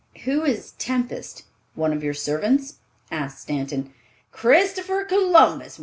"Who is Tempest? One of your servants?" asked Stanton. "Christopher Columbus!